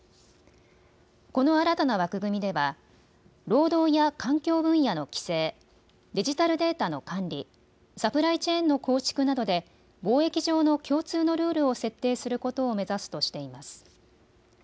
この新たな枠組みでは労働や環境分野の規制、デジタルデータの管理、サプライチェーンの構築などで貿易上の共通のルールを設定することを目指すとしています。